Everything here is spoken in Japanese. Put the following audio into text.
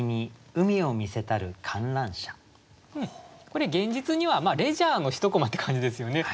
これ現実にはレジャーの１コマって感じですよね。